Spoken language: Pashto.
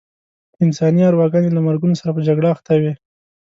انساني ارواګانې له مرګونو سره په جګړه اخته وې.